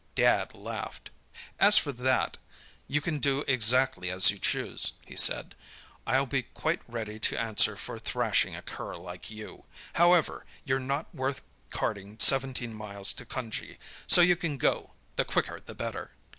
"Dad laughed. "'As for that, you can do exactly as you choose,' he said. 'I'll be quite ready to answer for thrashing a cur like you. However, you're not worth carting seventeen miles to Cunjee, so you can go—the quicker the better."